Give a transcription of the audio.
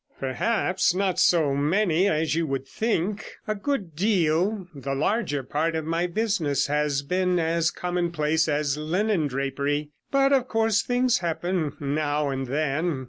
'Perhaps not so many as you would think; a good deal the larger part of my business — has been as commonplace as linen drapery. But, of course, things happen now and then.